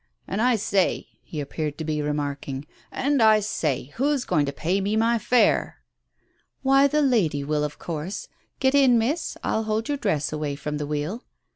"And I say," he appeared to be remarking, "and I say, who's going to pay me my fare ?" "Why, the lady will, of course. Get in, Miss, I'll hold your dress away from the wheel."